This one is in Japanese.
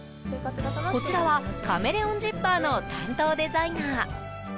こちらはカメレオンジッパーの担当デザイナー。